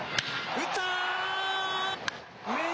打ったー！